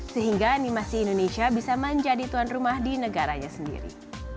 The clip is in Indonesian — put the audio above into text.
sehingga animasi indonesia bisa menjadi tuan rumah di negaranya sendiri